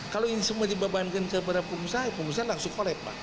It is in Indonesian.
kalau ini semua dibabankan kepada pengusaha pengusaha langsung kolep